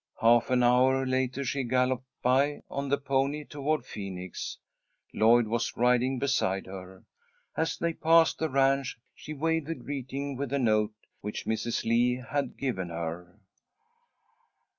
Half an hour later she galloped by on the pony, toward Phoenix. Lloyd was riding beside her. As they passed the ranch she waved a greeting with the note which Mrs. Lee had given her.